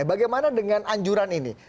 bagaimana dengan anjuran ini